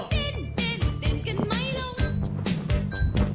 ดินดินดินกันไม่ลง